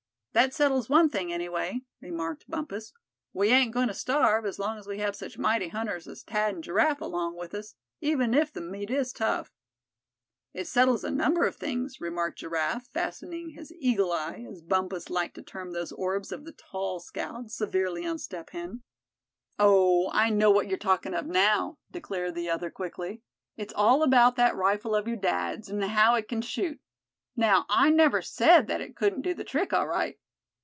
"That settles one thing, anyway," remarked Bumpus. "We ain't going to starve, as long as we have such mighty hunters as Thad and Giraffe along with us; even if the meat is tough." "It settles a number of things," remarked Giraffe, fastening his "eagle eye," as Bumpus liked to term those orbs of the tall scout, severely on Step Hen. "Oh! I know what you're talkin' of now," declared the other, quickly. "It's all about that rifle of your dad's, an' how it c'n shoot. Now, I never said that it couldn't do the trick, all right.